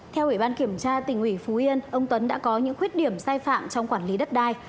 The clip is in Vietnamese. theo ủy ban kiểm tra tỉnh ủy phú yên ông tuấn đã có những khuyết điểm sai phạm trong quản lý đất đai